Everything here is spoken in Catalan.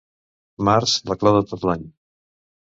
Març, la clau de tot l'any.